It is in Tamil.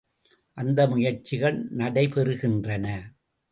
அந்த முயற்சிகள் நடைபெறுகின்றன.